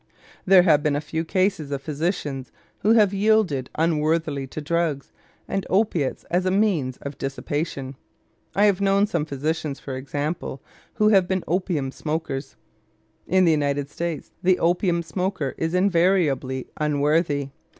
There have been a few cases of physicians who have yielded unworthily to drugs and opiates as a means of dissipation. I have known some physicians, for example, who have been opium smokers. In the United States the opium smoker is invariably unworthy.